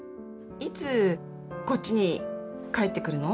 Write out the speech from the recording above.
いつこっちに帰ってくるの？